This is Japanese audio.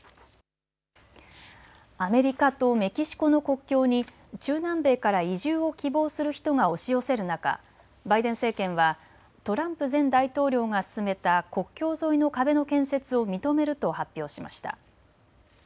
アメリカとメキシコの国境に中南米から移住を希望する人が押し寄せる中、バイデン政権はトランプ前大統領が進めた国境沿いの壁の建設を認めると発表しました。